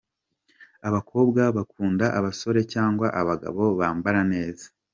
Abakobwa bakunda abasore cyangwa abagabo bambara neza.